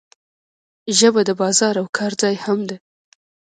ژبه د بازار او کار ځای هم ده.